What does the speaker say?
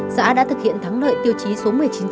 xã đã thực hiện thắng lợi tiêu chí số một mươi chín